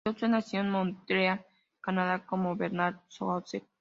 Yosef nació en Montreal, Canadá, como Bernard Joseph.